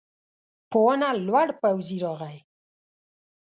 په ونه لوړ پوځي راغی.